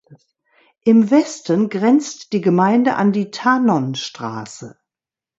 Im Westen grenzt die Gemeinde an die Tanon-Straße.